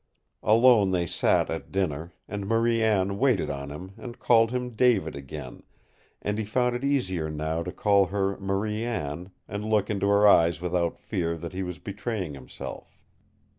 Alone they sat at dinner, and Marie Anne waited on him and called him David again and he found it easier now to call her Marie Anne and look into her eyes without fear that he was betraying himself.